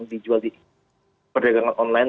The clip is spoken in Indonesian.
dijual di perdagangan online